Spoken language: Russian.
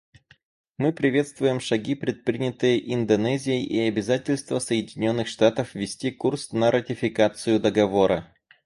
Мы приветствуем шаги, предпринятые Индонезией, и обязательство Соединенных Штатов вести курс на ратификацию Договора.